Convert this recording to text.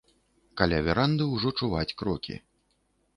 Каля веранды ўжо чуваць крокі.